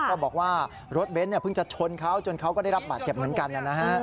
ก็บอกว่ารถเบนท์เพิ่งจะชนเขาจนเขาก็ได้รับบาดเจ็บเหมือนกันนะฮะ